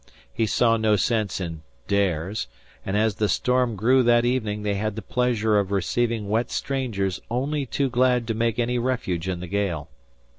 He saw no sense in "dares"; and as the storm grew that evening they had the pleasure of receiving wet strangers only too glad to make any refuge in the gale.